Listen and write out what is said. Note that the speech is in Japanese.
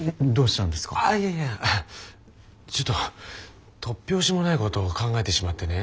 ちょっと突拍子もないことを考えてしまってね。